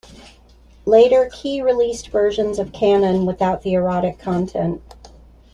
Later, Key released versions of "Kanon" without the erotic content.